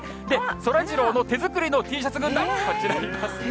そらジローの手作りのＴシャツ軍団、こちらにいますね。